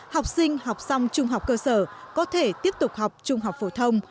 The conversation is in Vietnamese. học sinh học xong trung học cơ sở có thể tiếp tục học trung học phổ thông